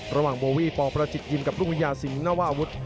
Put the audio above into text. ระหว่างโบวี่ปองประจิตยินกับลุงวิทยาสิงห์นว่าอาวุธ